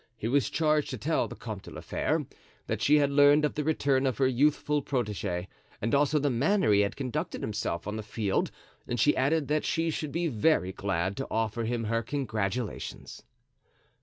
He was charged to tell the Comte de la Fere, that she had learned of the return of her youthful protege, and also the manner he had conducted himself on the field, and she added that she should be very glad to offer him her congratulations.